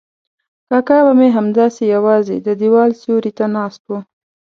کاکا به مې همداسې یوازې د دیوال سیوري ته ناست و.